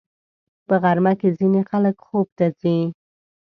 په غرمه کې ځینې خلک خوب ته ځي